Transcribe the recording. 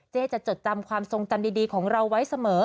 จะจดจำความทรงจำดีของเราไว้เสมอ